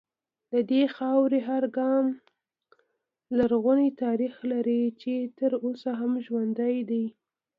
د دې خاورې هر ګام لرغونی تاریخ لري چې تر اوسه هم ژوندی دی